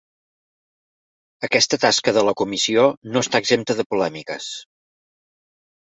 Aquesta tasca de la comissió no està exempta de polèmiques.